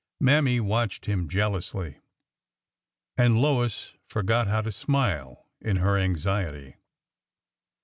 Mammy watched him jealously, and Lois forgot how to smile in her anxiety.